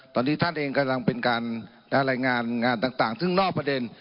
ตอนนี้ท่านเองกำลังเป็นการรายงานงานต่างซึ่งนอกประเด็น